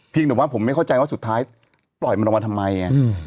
แต่ว่าผมไม่เข้าใจว่าสุดท้ายปล่อยมันออกมาทำไมไง